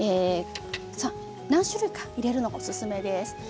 何種類か入れるのがおすすめです。